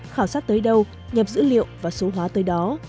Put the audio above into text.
khảo sát tới đâu nhập dữ liệu và số hóa tới đó